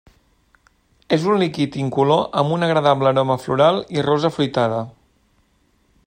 És un líquid incolor amb una agradable aroma floral i rosa afruitada.